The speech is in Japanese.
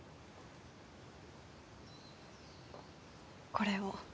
これを。